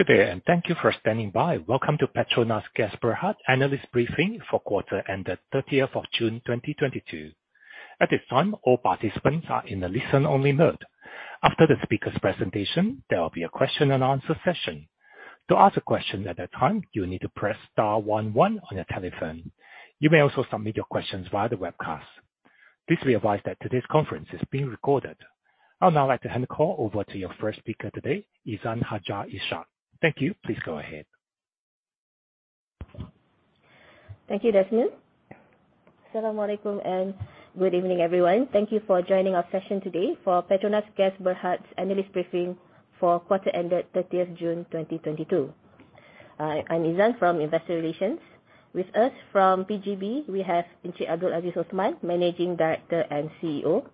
Good day and thank you for standing by. Welcome to PETRONAS Gas Berhad Analyst Briefing for quarter ended 30th of June 2022. At this time, all participants are in a listen only mode. After the speaker's presentation, there will be a question and answer session. To ask a question at that time, you will need to press star one one on your telephone. You may also submit your questions via the webcast. Please be advised that today's conference is being recorded. I'll now like to hand the call over to your first speaker today, Izan Hajar Ishak. Thank you. Please go ahead. Thank you, Desmond. Asalamu alaikum, and good evening, everyone. Thank you for joining our session today for PETRONAS Gas Berhad Analyst Briefing for quarter ended 30th June 2022. I'm Izan from Investor Relations. With us from PGB, we have Encik Abdul Aziz Othman, Managing Director and CEO,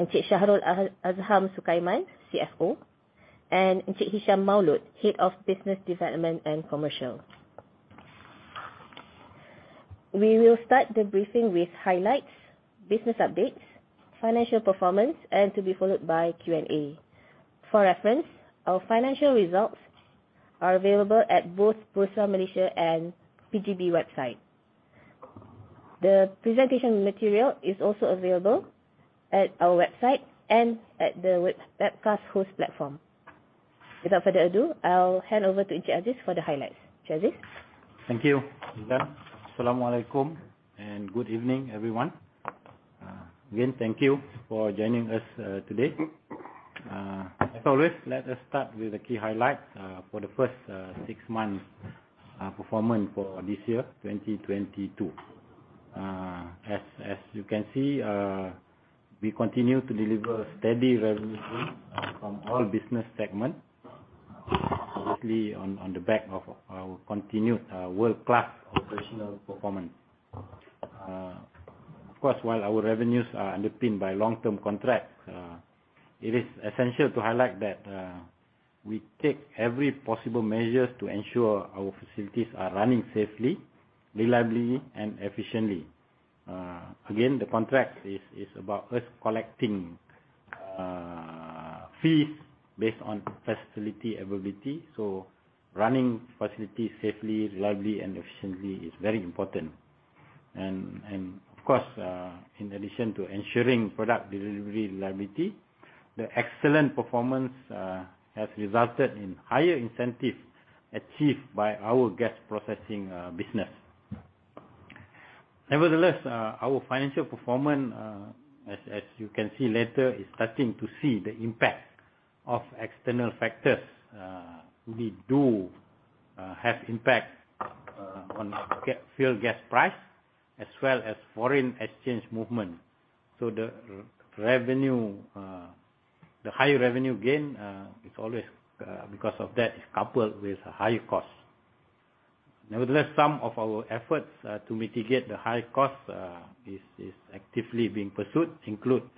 Encik Shahrul Azham Sukaiman, CFO, and Encik Hisham Maaulot, Head of Business Development and Commercial. We will start the briefing with highlights, business updates, financial performance, and to be followed by Q&A. For reference, our financial results are available at both Bursa Malaysia and PGB website. The presentation material is also available at our website and at the webcast host platform. Without further ado, I'll hand over to Encik Aziz for the highlights. Encik Aziz. Thank you, Izan. Assalamu alaikum, and good evening, everyone. Again, thank you for joining us today. As always, let us start with the key highlights for the first six months performance for this year, 2022. As you can see, we continue to deliver steady revenue from all business segments, obviously on the back of our continued world-class operational performance. Of course, while our revenues are underpinned by long-term contracts, it is essential to highlight that we take every possible measure to ensure our facilities are running safely, reliably and efficiently. Again, the contract is about us collecting fees based on facility availability, so running facilities safely, reliably, and efficiently is very important. Of course, in addition to ensuring product delivery reliability, the excellent performance has resulted in higher incentive achieved by our Gas Processing business. Nevertheless, our financial performance, as you can see later, is starting to see the impact of external factors really have impact on our fuel gas price as well as foreign exchange movement. The revenue, the high revenue gain, is always because of that coupled with high cost. Nevertheless, some of our efforts to mitigate the high cost is actively being pursued, including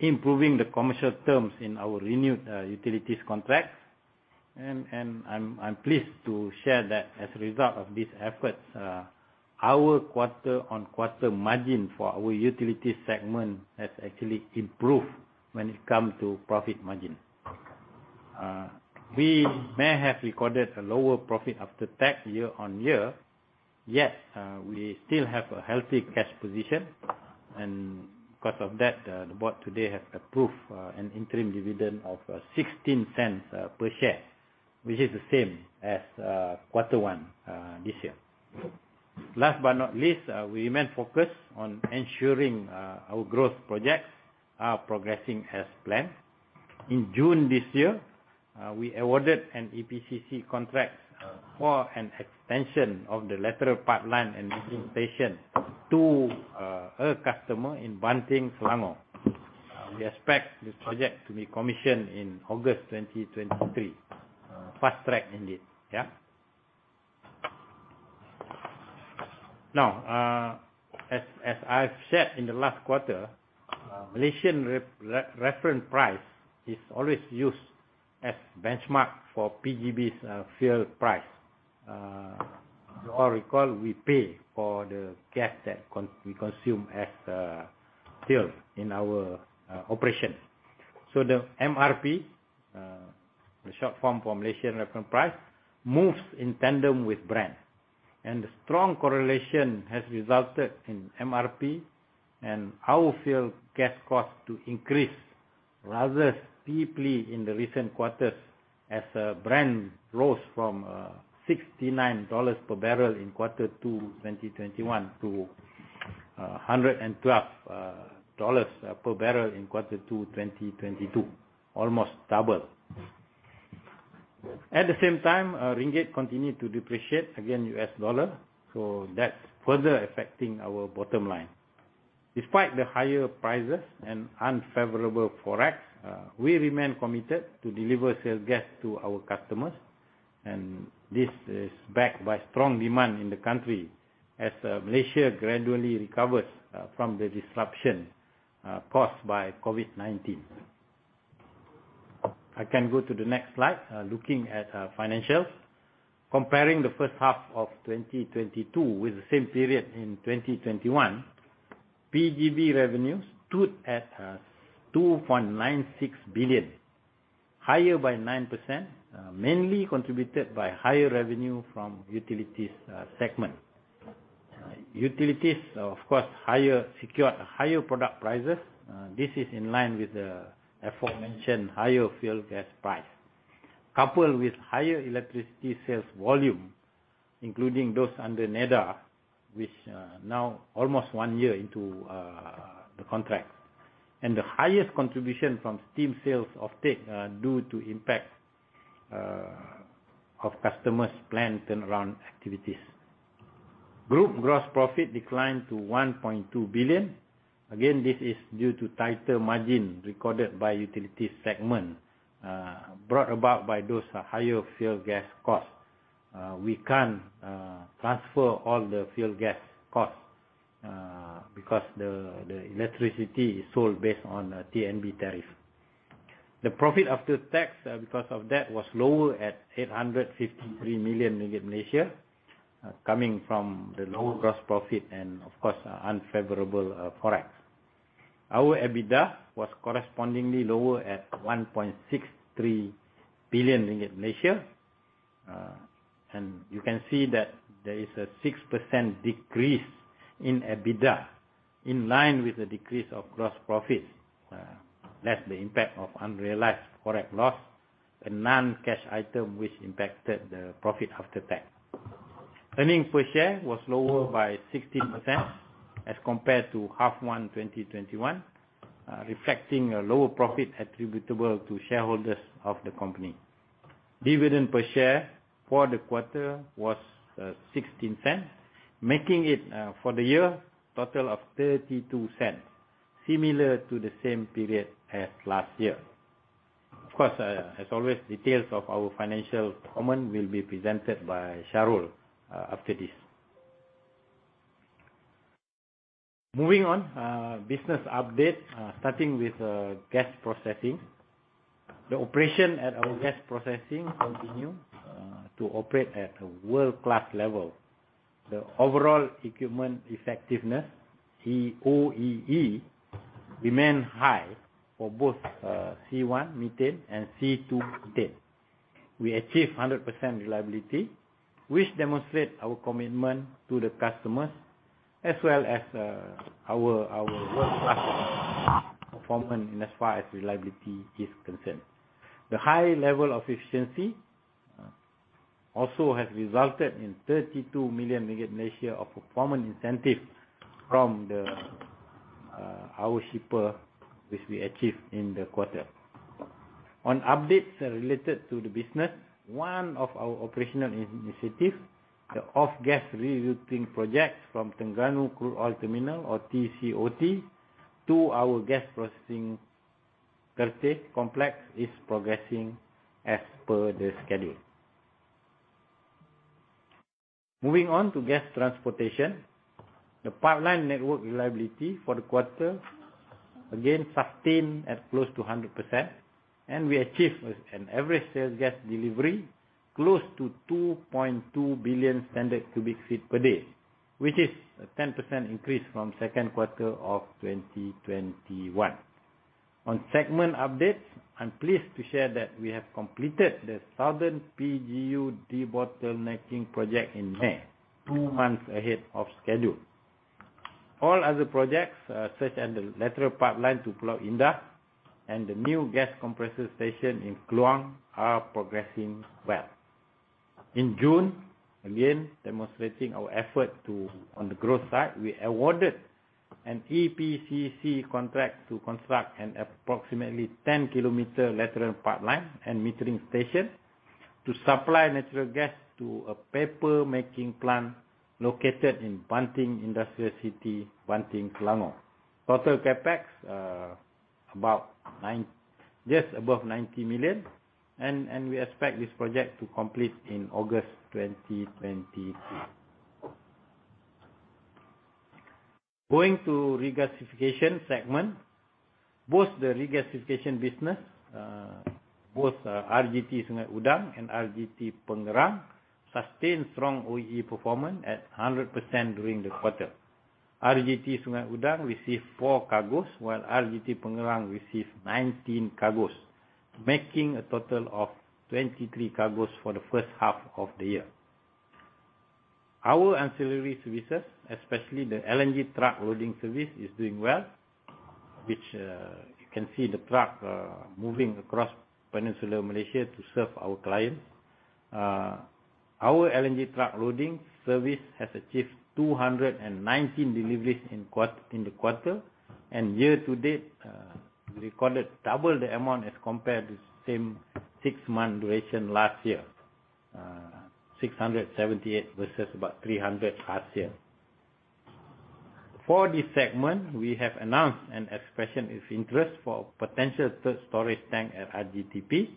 improving the commercial terms in our renewed utilities contracts. I'm pleased to share that as a result of these efforts, our quarter-over-quarter margin for our utility segment has actually improved when it comes to profit margin. We may have recorded a lower Profit After Tax year-on-year, yet we still have a healthy cash position. Because of that, the board today has approved an interim dividend of 0.16 per share, which is the same as quarter one this year. Last but not least, we remain focused on ensuring our growth projects are progressing as planned. In June this year, we awarded an EPCC contract for an extension of the lateral pipeline and lifting station to a customer in Banting, Selangor. We expect this project to be commissioned in August 2023. Fast track indeed. Now, as I've said in the last quarter, Malaysia Reference Price is always used as benchmark for PGB's fuel price. You all recall we pay for the gas that we consume as fuel in our operations. The MRP, the short form for Malaysian Reference Price, moves in tandem with Brent. The strong correlation has resulted in MRP and our fuel gas costs to increase rather steeply in the recent quarters as Brent rose from $69 per barrel in quarter 2 2021 to $112 per barrel in quarter 2 2022. Almost double. At the same time, ringgit continued to depreciate against US dollar, so that's further affecting our bottom line. Despite the higher prices and unfavorable Forex, we remain committed to deliver sales gas to our customers, and this is backed by strong demand in the country as Malaysia gradually recovers from the disruption caused by COVID-19. I can go to the next slide, looking at financials. Comparing the first half of 2022 with the same period in 2021, PGB revenue stood at 2.96 billion, higher by 9%, mainly contributed by higher revenue from utilities segment. Utilities, of course, higher secured higher product prices. This is in line with the aforementioned higher fuel gas price. Coupled with higher electricity sales volume, including those under NEDA, which now almost one year into the contract, and the highest contribution from steam sales offtake due to impact of customers' plant turnaround activities. Group gross profit declined to 1.2 billion. Again, this is due to tighter margin recorded by utility segment, brought about by those higher fuel gas costs. We can't transfer all the fuel gas costs because the electricity is sold based on TNB tariff. The profit after tax because of that was lower at 853 million ringgit, coming from the lower gross profit and of course, unfavorable Forex. Our EBITDA was correspondingly lower at 1.63 billion ringgit. You can see that there is a 6% decrease in EBITDA in line with the decrease of gross profit, less the impact of unrealized Forex loss, a non-cash item which impacted the profit after tax. Earnings per share was lower by 16% as compared to half one 2021, reflecting a lower profit attributable to shareholders of the company. Dividend per share for the quarter was 0.16, making it for the year total of 0.32, similar to the same period as last year. Of course, as always, details of our financial comment will be presented by Shahrul after this. Moving on, business update starting with gas processing. The operation at our gas processing continue to operate at a world-class level. The Overall Equipment Effectiveness, OEE, remain high for both C1 methane and C2 ethane. We achieve 100% reliability, which demonstrate our commitment to the customers as well as our world-class performance in as far as reliability is concerned. The high level of efficiency also has resulted in 32 million ringgit of performance incentive from our shipper, which we achieved in the quarter. On updates related to the business, one of our operational initiatives, the off-gas rerouting projects from Terengganu Crude Oil Terminal or TCOT to our gas processing Kerteh complex is progressing as per the schedule. Moving on to gas transportation. The pipeline network reliability for the quarter, again, sustained at close to 100%, and we achieved an average sales gas delivery close to 2.2 billion standard cubic feet per day, which is a 10% increase from second quarter of 2021. On segment updates, I'm pleased to share that we have completed the Southern PGU debottlenecking project in May, 2 months ahead of schedule. All other projects, such as the lateral pipeline to Pulau Indah and the new gas compressor station in Kluang are progressing well. In June, again, demonstrating our effort to On the growth side, we awarded an EPCC contract to construct an approximately 10-kilometer lateral pipeline and metering station to supply natural gas to a paper making plant located in Banting Industrial City, Banting, Selangor. Total CapEx just above 90 million. We expect this project to complete in August 2023. Going to regasification segment. Both RGT Sungai Udang and RGT Pengerang sustain strong OEE performance at 100% during the quarter. RGT Sungai Udang received 4 cargos, while RGT Pengerang received 19 cargos, making a total of 23 cargos for the first half of the year. Our ancillary services, especially the LNG truck loading service, is doing well, which you can see the truck moving across Peninsular Malaysia to serve our clients. Our LNG truck loading service has achieved 219 deliveries in the quarter. Year to date, we recorded double the amount as compared to same six-month duration last year. 678 versus about 300 last year. For this segment, we have announced an expression of interest for potential third storage tank at RGTP.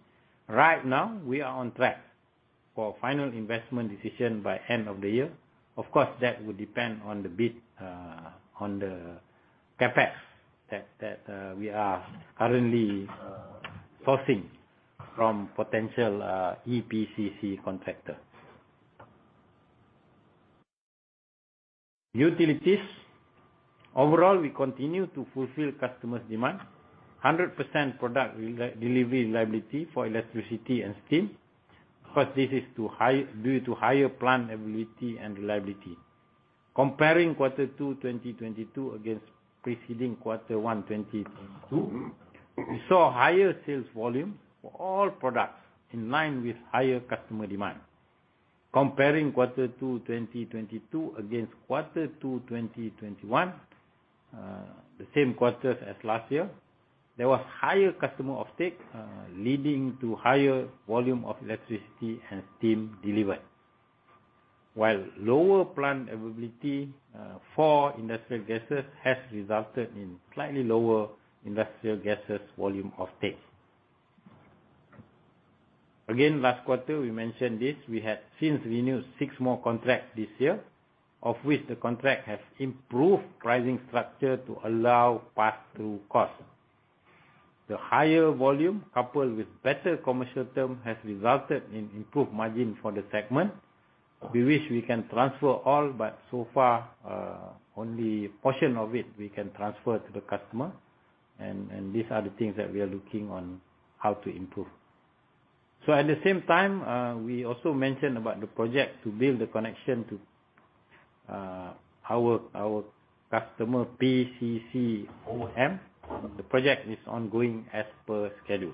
Right now, we are on track for final investment decision by end of the year. Of course, that will depend on the bid on the CapEx that we are currently sourcing from potential EPCC contractor. Utilities. Overall, we continue to fulfill customers' demand. 100% product delivery reliability for electricity and steam. Of course, this is due to higher plant availability and reliability. Comparing quarter 2 2022 against preceding quarter 1 2022, we saw higher sales volume for all products in line with higher customer demand. Comparing quarter 2 2022 against quarter 2 2021, the same quarters as last year, there was higher customer offtake, leading to higher volume of electricity and steam delivered. While lower plant availability, for industrial gases has resulted in slightly lower industrial gases volume offtake. Again, last quarter we mentioned this, we have since renewed six more contracts this year, of which the contract has improved pricing structure to allow pass through cost. The higher volume coupled with better commercial term has resulted in improved margin for the segment. We wish we can transfer all but so far, only a portion of it we can transfer to the customer and these are the things that we are looking on how to improve. At the same time, we also mentioned about the project to build the connection to our customer, PCCOM. The project is ongoing as per schedule.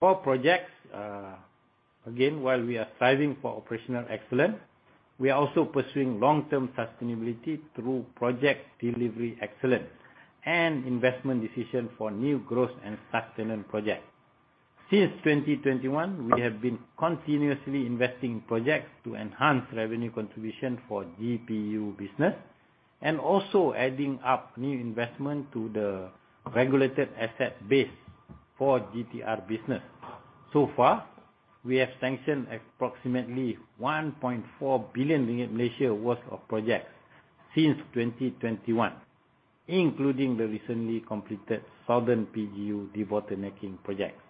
For projects, again, while we are striving for operational excellence, we are also pursuing long-term sustainability through project delivery excellence and investment decision for new growth and sustainable projects. Since 2021, we have been continuously investing in projects to enhance revenue contribution for GPU business and also adding up new investment to the regulated asset base for GTR business. So far, we have sanctioned approximately 1.4 billion ringgit worth of projects since 2021, including the recently completed Southern PGU debottlenecking projects.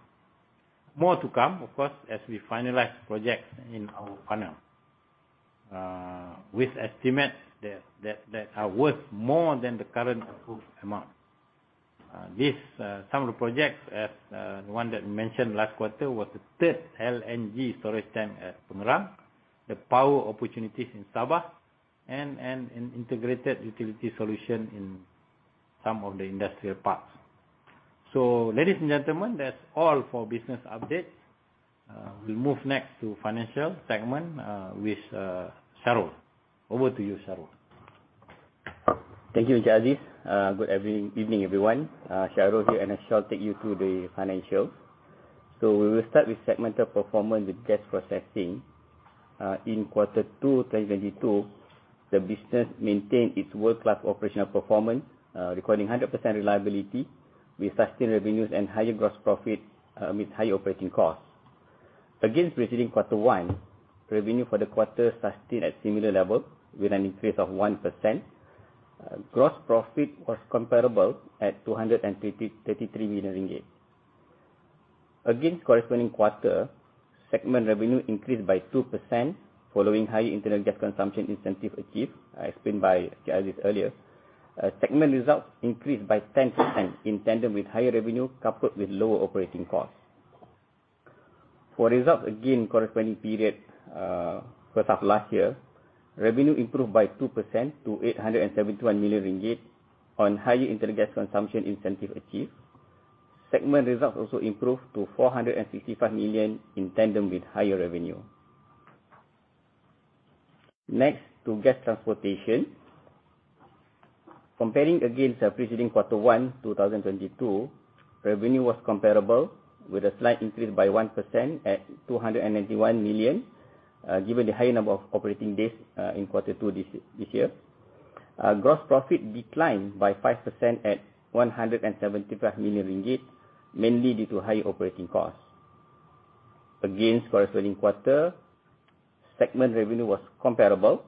More to come, of course, as we finalize projects in our funnel with estimates that are worth more than the current approved amount. Some of the projects, as one that we mentioned last quarter was the third LNG storage tank at Pengerang, the power opportunities in Sabah and an integrated utility solution in some of the industrial parks. Ladies and gentlemen, that's all for business update. We move next to financial segment with Shahrul. Over to you, Shahrul. Thank you, Encik Aziz. Good evening, everyone. Shahrul here, and I shall take you through the financial. We will start with segmental performance with gas processing. In quarter two 2022, the business maintained its world-class operational performance, recording 100% reliability with sustained revenues and higher gross profit, amid higher operating costs. Against preceding quarter one, revenue for the quarter sustained at similar level with an increase of 1%. Gross profit was comparable at 233 million ringgit. Against corresponding quarter, segment revenue increased by 2% following high internal gas consumption incentive achieved, explained by Encik Aziz earlier. Segment results increased by 10% in tandem with higher revenue, coupled with lower operating costs. For results, again, corresponding period, first half last year, revenue improved by 2% to 871 million ringgit on higher internal gas consumption incentive achieved. Segment results also improved to 465 million in tandem with higher revenue. Next, to gas transportation. Comparing against our preceding Q1 2022, revenue was comparable with a slight increase by 1% at 291 million, given the high number of operating days in Q2 this year. Gross profit declined by 5% at 175 million ringgit, mainly due to high operating costs. Against corresponding quarter, segment revenue was comparable.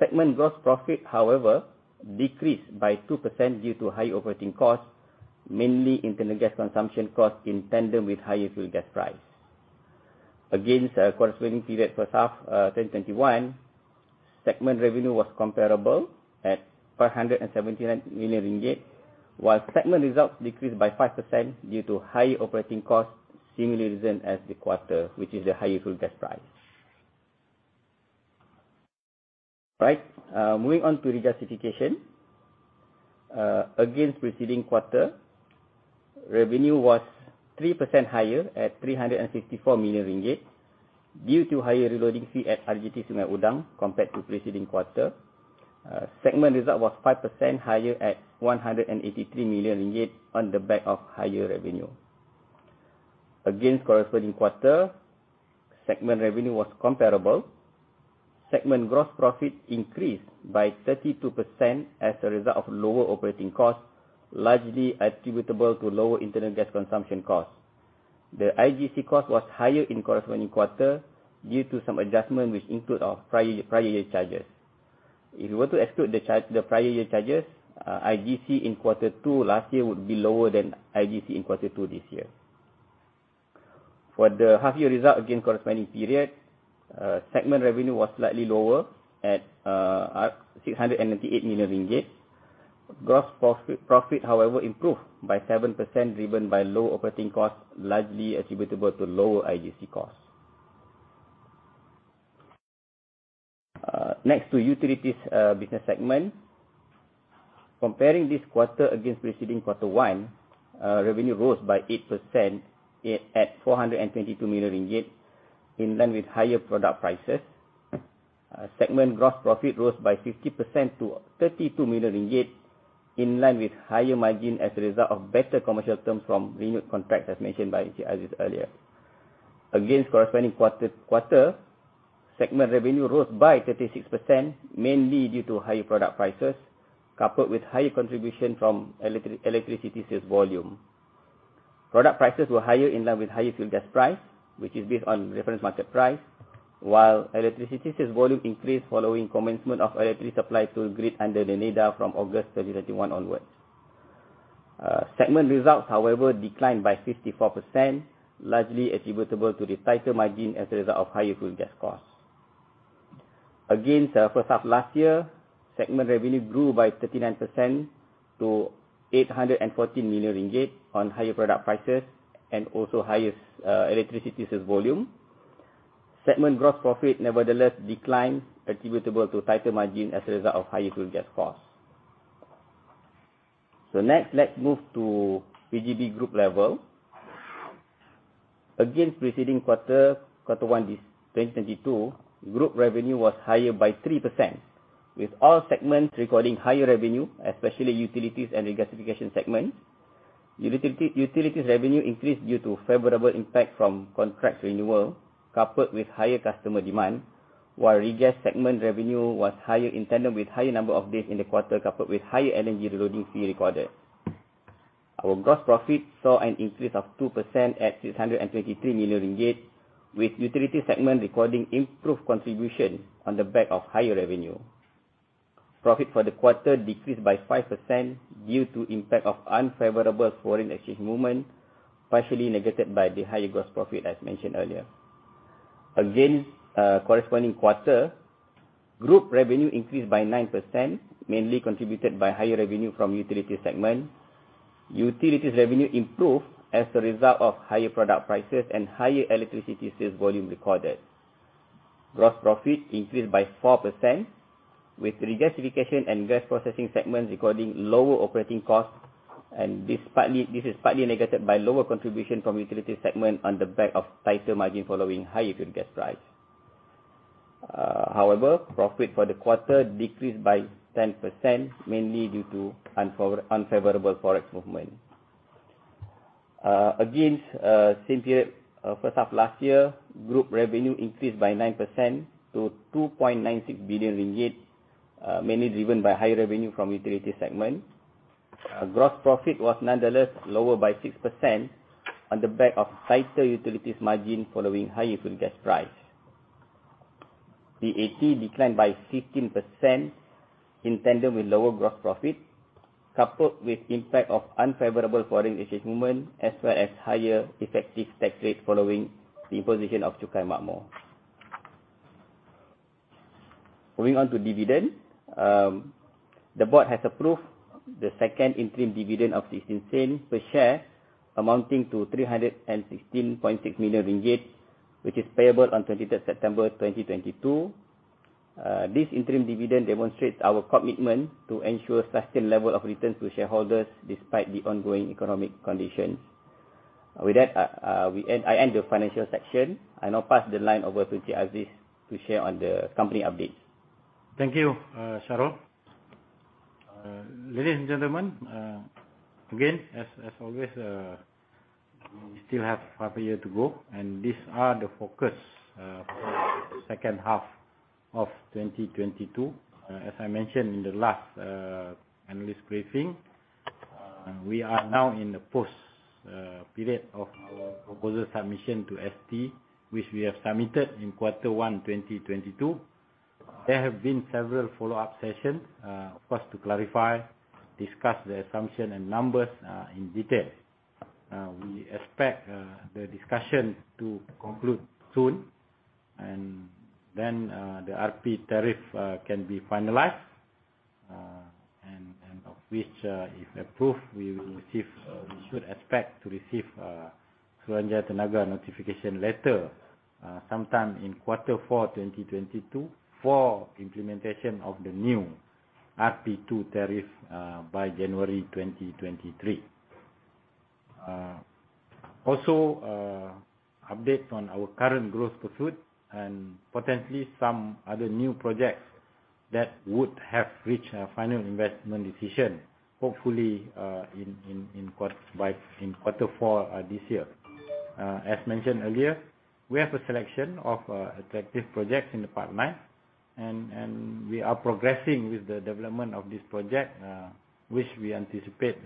Segment gross profit, however, decreased by 2% due to high operating costs, mainly internal gas consumption costs in tandem with higher fuel gas price. Against our corresponding period first half 2021, segment revenue was comparable at 579 million ringgit, while segment results decreased by 5% due to high operating costs, similar reason as the quarter, which is the higher fuel gas price. Right. Moving on to regasification. Against preceding quarter, revenue was 3% higher at 364 million ringgit due to higher reloading fee at RGT Sungai Udang compared to preceding quarter. Segment result was 5% higher at 183 million ringgit on the back of higher revenue. Against corresponding quarter, segment revenue was comparable. Segment gross profit increased by 32% as a result of lower operating costs, largely attributable to lower internal gas consumption costs. The IGC cost was higher in corresponding quarter due to some adjustment which include our prior year charges. If you were to exclude the prior year charges, IGC in quarter two last year would be lower than IGC in quarter two this year. For the half year result, again, corresponding period, segment revenue was slightly lower at 698 million ringgit. Gross profit, however, improved by 7% driven by low operating costs, largely attributable to lower IGC costs. Next to utilities business segment. Comparing this quarter against preceding quarter one, revenue rose by 8% at 422 million ringgit, in line with higher product prices. Segment gross profit rose by 50% to 32 million ringgit, in line with higher margin as a result of better commercial terms from renewed contracts, as mentioned by Aziz earlier. Against corresponding quarter, segment revenue rose by 36%, mainly due to higher product prices, coupled with higher contribution from electricity sales volume. Product prices were higher in line with higher fuel gas price, which is based on reference market price. While electricity sales volume increased following commencement of electricity supply to grid under the NEDA from August 31 onwards. Segment results, however, declined by 54%, largely attributable to the tighter margin as a result of higher fuel gas costs. First half of last year, segment revenue grew by 39% to 814 million ringgit on higher product prices and also highest electricity sales volume. Segment gross profit nevertheless declined attributable to tighter margin as a result of higher fuel gas costs. Next, let's move to PGB group level. Against preceding quarter one 2022, group revenue was higher by 3%, with all segments recording higher revenue, especially utilities and regasification segments. Utilities revenue increased due to favorable impact from contract renewal coupled with higher customer demand. While regas segment revenue was higher in tandem with higher number of days in the quarter, coupled with higher LNG reloading fee recorded. Our gross profit saw an increase of 2% at 623 million ringgit, with utility segment recording improved contribution on the back of higher revenue. Profit for the quarter decreased by 5% due to impact of unfavorable foreign exchange movement, partially negated by the higher gross profit, as mentioned earlier. Against corresponding quarter, group revenue increased by 9%, mainly contributed by higher revenue from utility segment. Utilities revenue improved as a result of higher product prices and higher electricity sales volume recorded. Gross profit increased by 4% with regasification and gas processing segments recording lower operating costs. This is partly negated by lower contribution from utility segment on the back of tighter margin following higher fuel gas price. However, profit for the quarter decreased by 10%, mainly due to unfavorable Forex movement. Against same period, first half of last year, group revenue increased by 9% to 2.96 billion ringgit, mainly driven by higher revenue from utility segment. Gross profit was nonetheless lower by 6% on the back of tighter utilities margin following higher fuel gas price. The PAT declined by 15% in tandem with lower gross profit, coupled with impact of unfavorable foreign exchange movement, as well as higher effective tax rate following the imposition of Prosperity Tax. Moving on to dividend. The board has approved the second interim dividend of 0.16 per share, amounting to 316.6 million ringgit, which is payable on 23 September 2022. This interim dividend demonstrates our commitment to ensure sustained level of return to shareholders despite the ongoing economic conditions. With that, I end the financial section. I now pass the line over to Aziz to share on the company update. Thank you, Shahrul. Ladies and gentlemen, again, as always, we still have half a year to go, and these are the focus for the second half of 2022. As I mentioned in the last analyst briefing, we are now in the post period of our proposal submission to ST, which we have submitted in quarter one, 2022. There have been several follow-up sessions for us to clarify, discuss the assumption and numbers in detail. We expect the discussion to conclude soon and then the RP tariff can be finalized. Of which, if approved, we should expect to receive Suruhanjaya Tenaga notification letter sometime in quarter four, 2022 for implementation of the new RP2 tariff by January 2023. Also, update on our current growth pursuit and potentially some other new projects that would have reached a final investment decision, hopefully in quarter four this year. As mentioned earlier, we have a selection of attractive projects in the pipeline and we are progressing with the development of this project, which we anticipate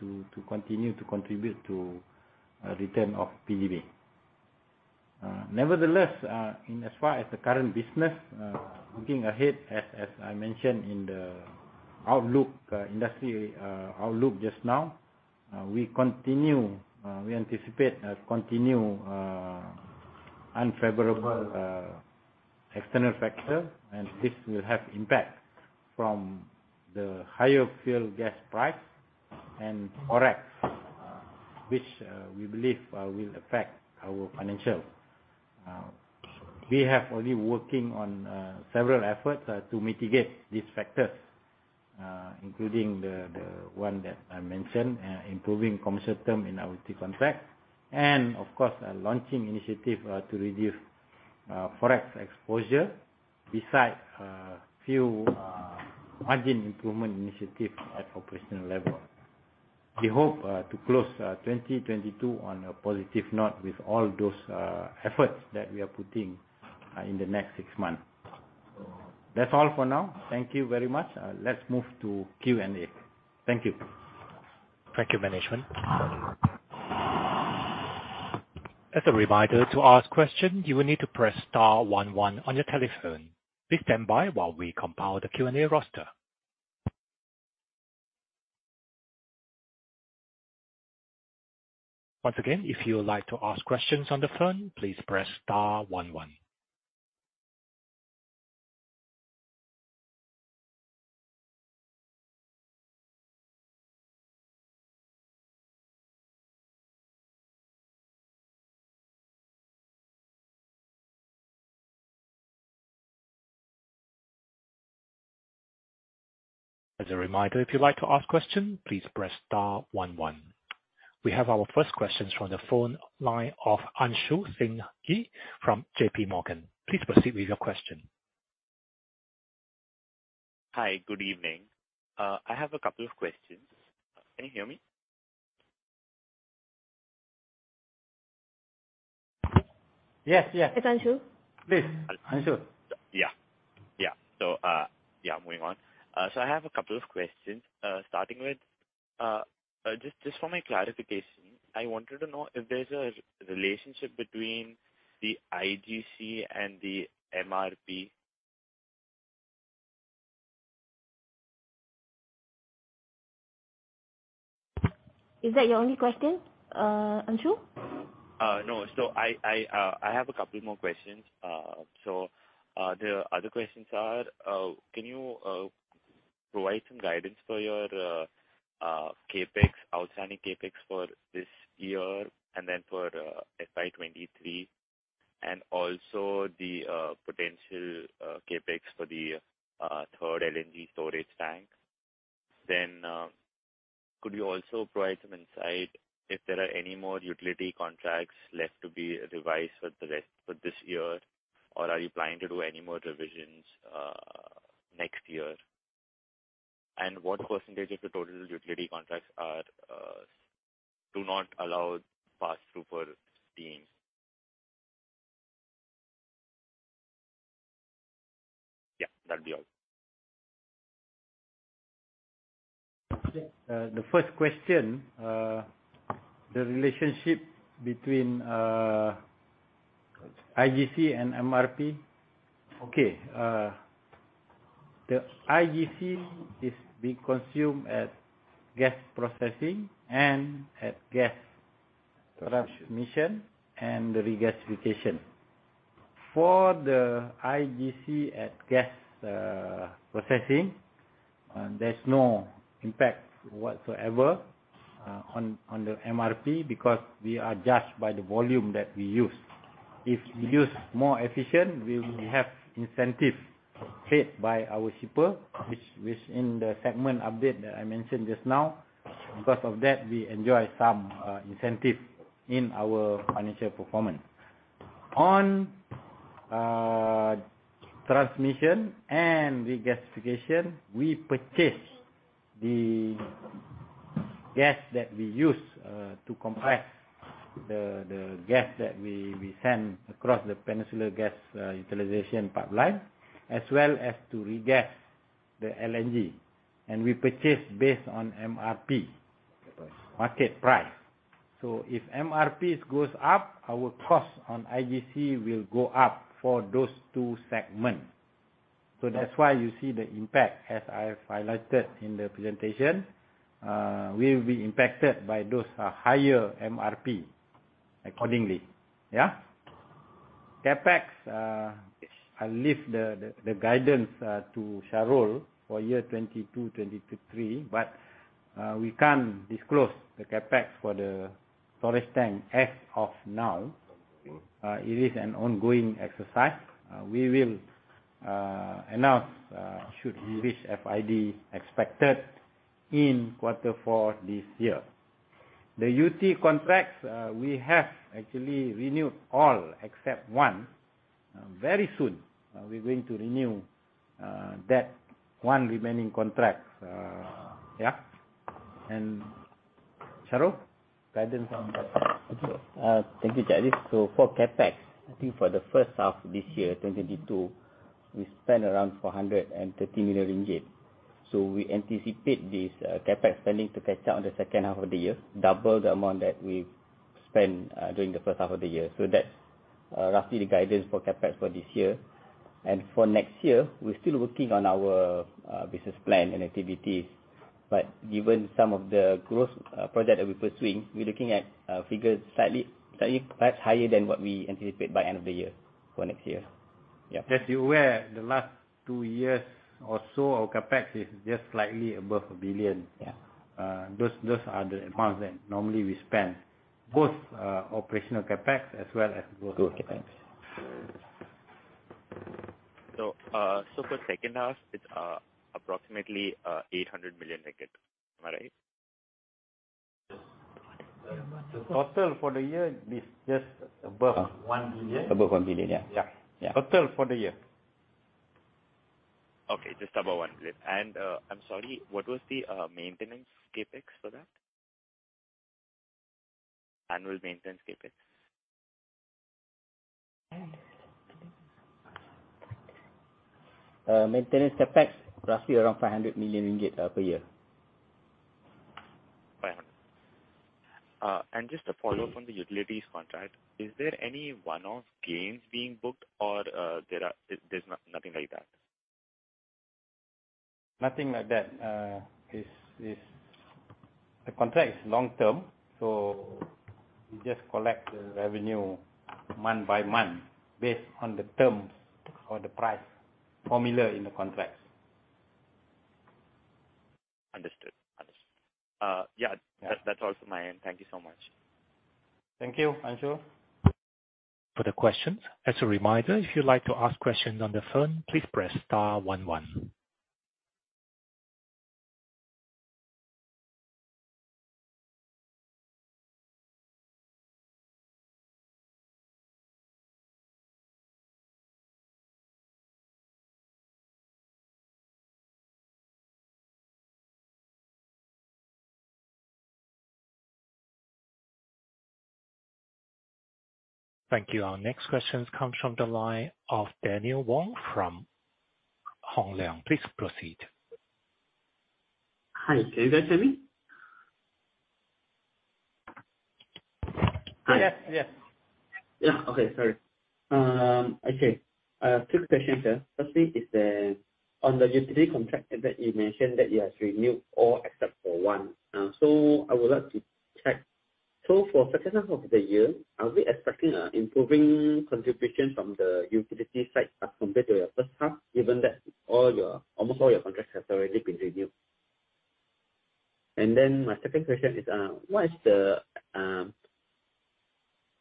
to continue to contribute to return of PGB. Nevertheless, in as far as the current business, looking ahead, as I mentioned in the outlook, industry outlook just now, we anticipate a continued unfavorable external factor. This will have impact from the higher fuel gas price and Forex, which we believe will affect our financial. We have already working on several efforts to mitigate these factors, including the one that I mentioned, improving commercial term in our UT contract. Of course, launching initiative to reduce Forex exposure besides few margin improvement initiative at operational level. We hope to close 2022 on a positive note with all those efforts that we are putting in the next six months. That's all for now. Thank you very much. Let's move to Q&A. Thank you. Thank you, management. As a reminder, to ask question, you will need to press star one one on your telephone. Please stand by while we compile the Q&A roster. Once again, if you would like to ask questions on the phone, please press star one one. As a reminder, if you'd like to ask question, please press star one one. We have our first questions from the phone line of Anshu Singhi from JP Morgan. Please proceed with your question. Hi. Good evening. I have a couple of questions. Can you hear me? Yes. Yeah. It's Anshu? Please, Anshu. Moving on. I have a couple of questions, starting with just for my clarification. I wanted to know if there's a relationship between the IGC and the MRP. Is that your only question, Anshu? No. I have a couple more questions. The other questions are, can you provide some guidance for your CapEx, outstanding CapEx for this year and then for FY 2023, and also the potential CapEx for the third LNG storage tank? Could you also provide some insight if there are any more utility contracts left to be revised for the rest for this year, or are you planning to do any more revisions next year? What percentage of the total utility contracts do not allow pass through for teams? Yeah, that'd be all. The first question, the relationship between IGC and MRP. Okay. The IGC is being consumed at Gas Processing and at Gas Transportation and the regasification. For the IGC at Gas Processing, there's no impact whatsoever on the MRP because we are judged by the volume that we use. If we use more efficient, we have incentive paid by our shipper, which in the segment update that I mentioned just now. Because of that, we enjoy some incentive in our financial performance. On transmission and regasification, we purchase the gas that we use to compress the gas that we send across the Peninsular Gas Utilization Pipeline, as well as to regas the LNG. We purchase based on MRP, market price. If MRPs goes up, our cost on IGC will go up for those two segments. That's why you see the impact, as I have highlighted in the presentation. We will be impacted by those higher MRP accordingly. Yeah. CapEx, I'll leave the guidance to Shahrul for year 2022, 2023, but we can't disclose the CapEx for the storage tank as of now. It is an ongoing exercise. We will announce should we reach FID expected in quarter four this year. The UT contracts, we have actually renewed all except one. Very soon, we're going to renew that one remaining contract. Yeah. Shahrul, guidance on CapEx. Thank you, Abdul Aziz Othman. For CapEx, I think for the first half of this year, 2022, we spent around 430 million ringgit. We anticipate this CapEx spending to catch up in the second half of the year, double the amount that we spent during the first half of the year. That's roughly the guidance for CapEx for this year. For next year, we're still working on our business plan and activities. Given some of the growth project that we're pursuing, we're looking at figures slightly perhaps higher than what we anticipate by end of the year for next year. Just be aware, the last two years or so, our CapEx is just slightly above 1 billion. Yeah. Those are the amounts that normally we spend, both operational CapEx as well as growth CapEx. Growth CapEx. For second half, it's approximately 800 million ringgit. Am I right? Total for the year is just above 1 billion. Above 1 billion, yeah. Yeah. Yeah. Total for the year. Okay, just above 1 billion. I'm sorry, what was the maintenance CapEx for that? Annual maintenance CapEx. Maintenance CapEx, roughly around 500 million ringgit per year. 500. Just to follow up on the utilities contract, is there any one-off gains being booked or, there's nothing like that? Nothing like that. The contract is long-term, so we just collect the revenue month by month based on the terms or the price formula in the contract. Understood. Yeah. Yeah. That's all from my end. Thank you so much. Thank you, Anshul. Further questions. As a reminder, if you'd like to ask questions on the phone, please press star 11. Thank you. Our next question comes from the line of Daniel Wong from Hong Leong. Please proceed. Hi. Is that Daniel? Yeah. Yeah. Yeah. Okay. Sorry. Okay. I have two questions, sir. First is on the utility contract that you mentioned that you have renewed all except for one. So I would like to check. So for second half of the year, are we expecting a improving contribution from the utility side as compared to your first half, given that all your almost all your contracts has already been renewed? And then my second question is, what is the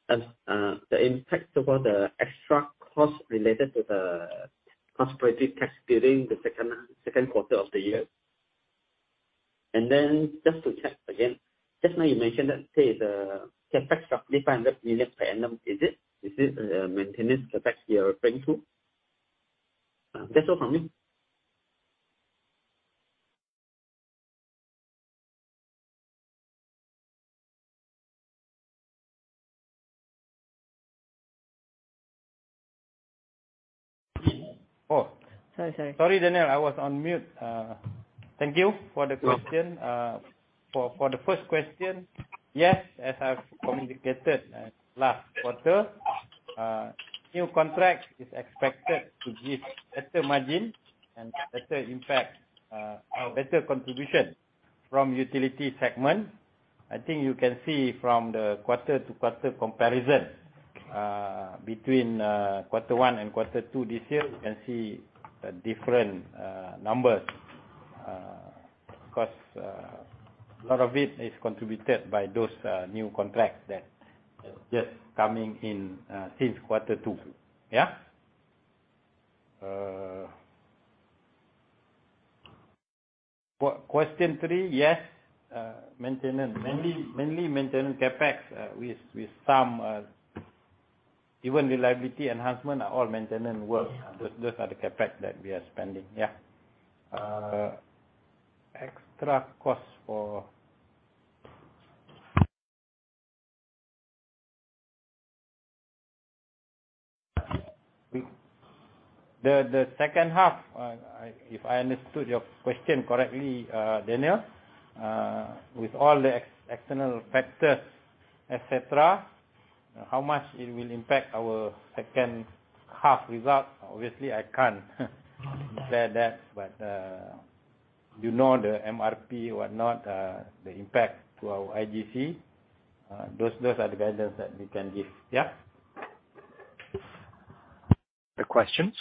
impact over the extra cost related to the Prosperity Tax during the second quarter of the year? And then just to check again, just now you mentioned that, say, the CapEx roughly 500 million per annum. Is it maintenance CapEx you are referring to? That's all from me. Oh. Sorry. Sorry, Daniel. I was on mute. Thank you for the question. No. For the first question, yes, as I've communicated last quarter, new contract is expected to give better margin and better impact, or better contribution from utility segment. I think you can see from the quarter-to-quarter comparison between quarter one and quarter two this year, you can see different numbers because a lot of it is contributed by those new contracts that just coming in since quarter two. Question three, yes, maintenance. Mainly maintenance CapEx with some even reliability enhancement are all maintenance works. Yeah. Those are the CapEx that we are spending. Yeah. Extra cost for the second half. If I understood your question correctly, Daniel, with all the external factors, et cetera, how much it will impact our second half result, obviously I can't say that. You know, the MRP, whatnot, the impact to our IGC, those are the guidance that we can give. Yeah? Further questions.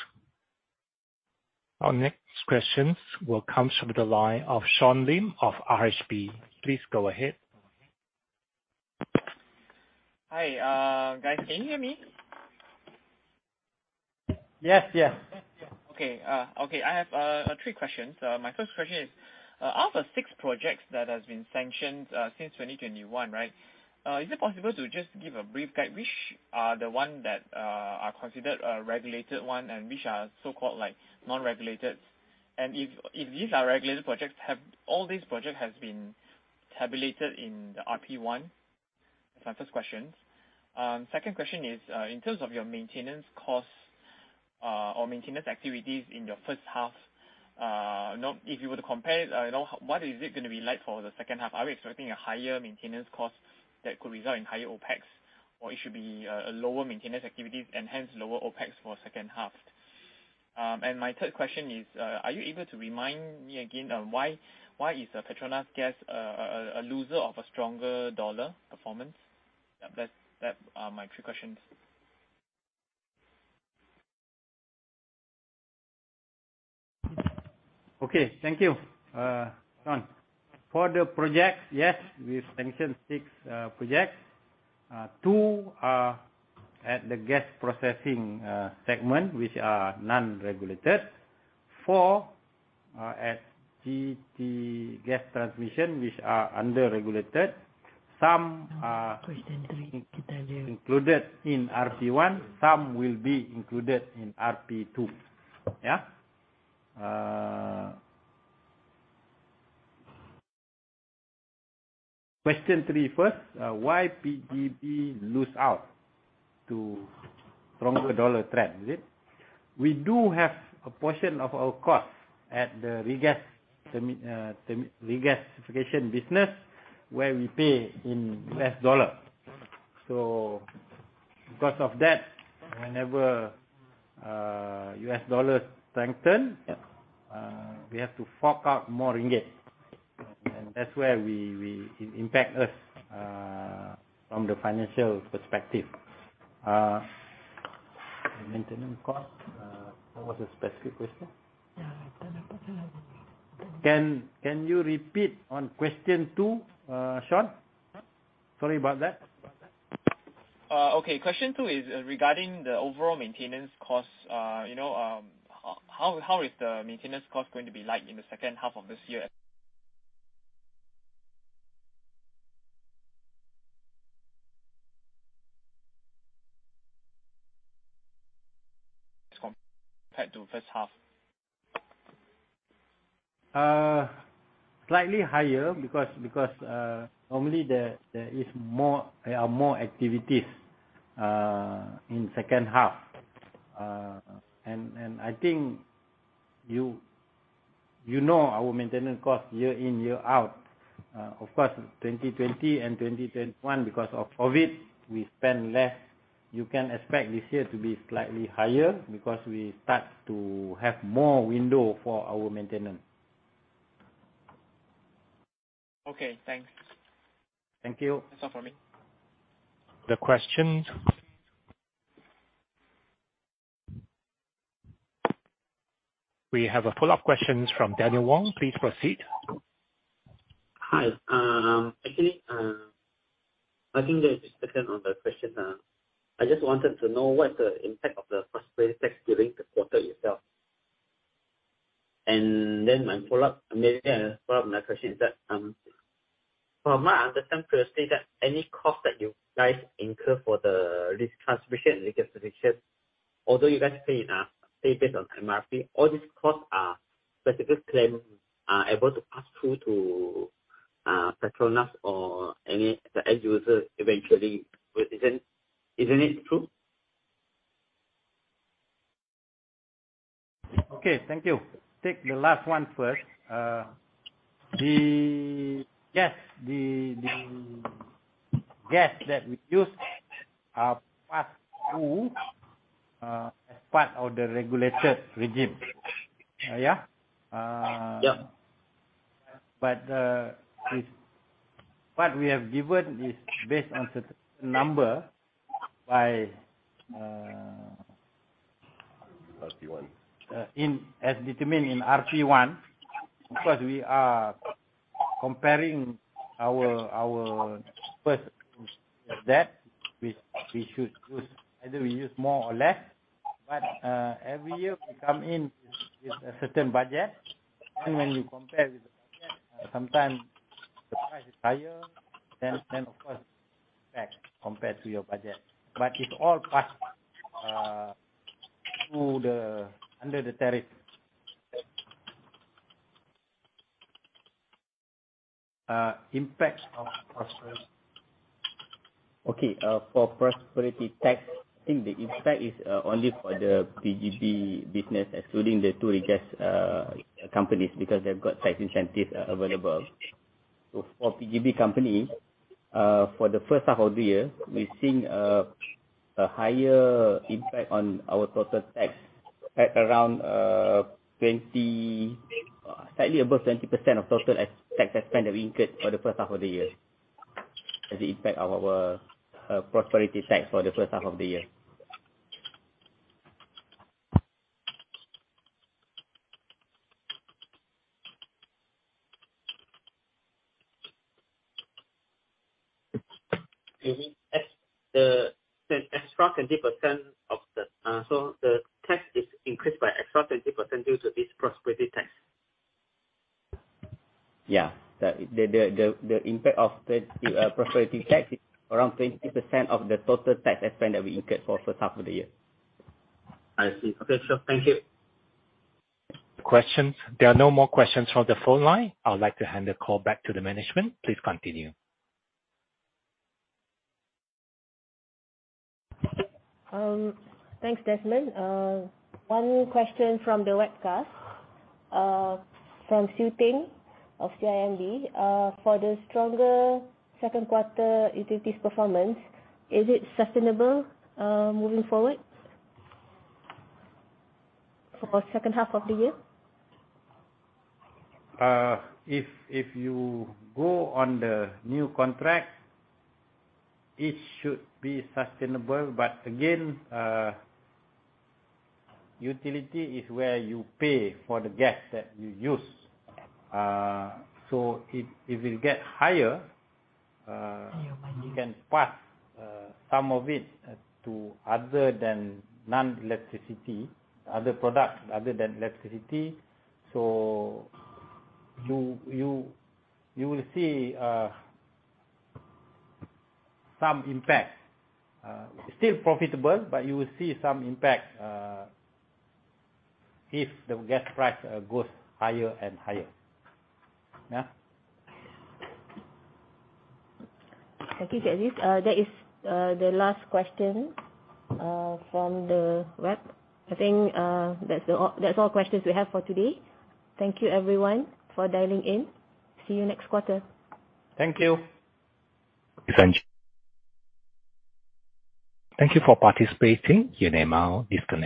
Our next questions will come through the line of Sean Lim of RHB. Please go ahead. Hi, guys. Can you hear me? Yes. Yes. I have three questions. My first question is out of 6 projects that has been sanctioned since 2021, right, is it possible to just give a brief guide which are the one that are considered a regulated one and which are so-called like non-regulated? And if these are regulated projects, have all these project has been tabulated in the RP1? That's my first question. Second question is in terms of your maintenance costs or maintenance activities in your first half, now if you were to compare, you know, what is it gonna be like for the second half? Are we expecting a higher maintenance cost that could result in higher OPEX? Or it should be a lower maintenance activities and hence lower OPEX for second half? My third question is, are you able to remind me again on why PETRONAS Gas is a loser of a stronger dollar performance? That's my three questions. Okay. Thank you, Sean. For the projects, yes, we've sanctioned six projects. Two are at the gas processing segment, which are non-regulated. Four are at gas transportation, which are regulated. Some are. Question 3. Included in RP1, some will be included in RP2. Yeah. Question three first, why PGB lose out to stronger dollar trend, is it? We do have a portion of our cost at the regas, the regasification business where we pay in U.S. dollar. Because of that, whenever U.S. dollar strengthen- Yeah... we have to fork out more ringgit. That's where we it impact us from the financial perspective. Maintenance cost, what was the specific question? Yeah. Can you repeat on question two, Sean? Hmm? Sorry about that. Okay. Question two is regarding the overall maintenance costs. You know, how is the maintenance cost going to be like in the second half of this year compared to first half? Slightly higher because normally there are more activities in second half. I think you know our maintenance cost year in, year out. Of course 2020 and 2021, because of COVID, we spend less. You can expect this year to be slightly higher because we start to have more window for our maintenance. Okay. Thanks. Thank you. That's all for me. The questions. We have a follow-up question from Daniel Wong. Please proceed. Hi. Actually, I think just second on the question. I just wanted to know what the impact of the Prosperity Tax during the quarter itself. Then my follow-up question is that, from my understanding previously, any cost that you guys incur for the gas transmission and liquefaction, although you guys pay based on MRP, all these costs are specifically claimable and able to pass through to PETRONAS or to the end user eventually. Isn't it true? Okay, thank you. Take the last one first. The gas that we use are passed through as part of the regulated regime. Yeah. Yeah. What we have given is based on certain number by. RP1. As determined in RP1. Of course, we are comparing our FX debt which we should use. Either we use more or less, but every year we come in with a certain budget. When you compare with the budget, sometimes the price is higher than budgeted compared to your budget. It's all passed through under the tariff. Impact of Prosperity Tax. Okay. For Prosperity Tax, I think the impact is only for the PGB business excluding the two regas companies because they've got tax incentives available. For PGB company, for the first half of the year, we've seen a higher impact on our total tax expense at around slightly above 20% of total tax expense that we incurred for the first half of the year is the impact of our Prosperity Tax for the first half of the year. You mean the extra 20% of the. The tax is increased by extra 20% due to this Prosperity Tax? Yeah. The impact of the Prosperity Tax is around 20% of the total tax expense that we incurred for first half of the year. I see. Okay. Sure. Thank you. Questions. There are no more questions from the phone line. I would like to hand the call back to the management. Please continue. Thanks, Desmond. One question from the webcast, from Su Ting of CIMB. For the stronger second quarter utilities performance, is it sustainable, moving forward for second half of the year? If you go on the new contract, it should be sustainable. Again, utility is where you pay for the gas that you use. If it get higher, you can pass some of it to other than non-electricity, other products other than electricity. You will see some impact. Still profitable, but you will see some impact if the gas price goes higher and higher. Yeah. Thank you, Aziz. That is the last question from the web. I think, that's all questions we have for today. Thank you, everyone, for dialing in. See you next quarter. Thank you. Thank you for participating. Your line is connected.